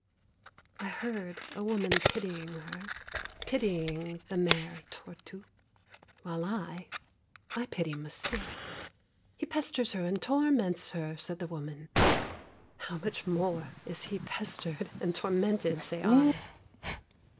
I heard a woman pitying her, pitying the Mère Tortue. While I, I pity Monsieur. "He pesters her and torments her," said the woman. How much more is he pestered and tormented, say I.